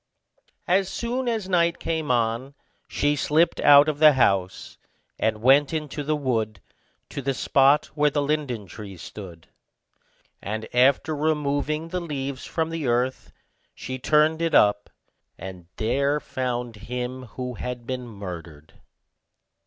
As soon as night came on, she slipped out of the house, and went into the wood, to the spot where the linden tree stood; and after removing the leaves from the earth, she turned it up, and there found him who had been murdered.